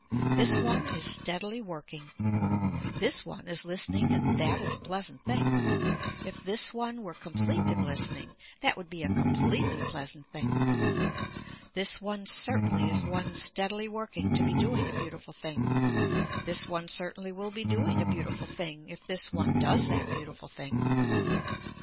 This one is steadily working. This one is listening and that is a pleasant thing. If this one were complete in listening that would be a completely pleasant thing. This one certainly is one steadily working to be doing a beautiful thing, this one certainly will be doing a beautiful thing if this one does that beautiful thing.